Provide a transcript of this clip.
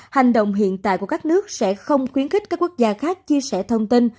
hành động hiện tại của các nước sẽ không khuyến khích các quốc gia khác chia sẻ thông tin